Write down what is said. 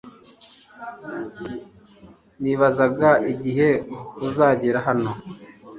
Nibazaga igihe uzagera hano